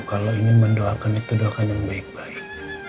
kalau ingin mendoakan itu doakan yang baik baik